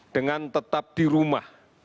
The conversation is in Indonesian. dengan tetap di rumah